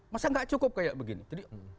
masa gak cukup kayak begini